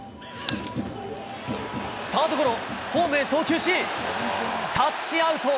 サードゴロ、ホームへ送球し、タッチアウト。